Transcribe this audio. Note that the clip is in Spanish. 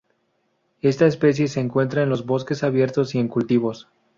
Esta especie se encuentra en los bosques abiertos y en cultivos.